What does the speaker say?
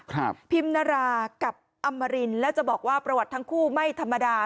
พิมนารากับอำมารินแล้วจะบอกว่าประวัติทั้งคู่ไม่ธรรมดา